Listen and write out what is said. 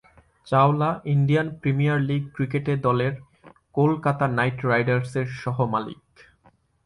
Chawla Indian Premier League cricket দলের Kolkata Knight রাইডার্সের সহ-মালিক।